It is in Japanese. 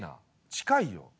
近いよ！